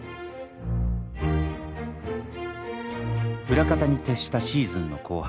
裏方に徹したシーズンの後半。